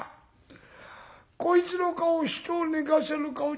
こいつの顔人を寝かせる顔じゃないよ。